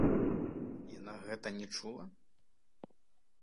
Яна гэта не чула?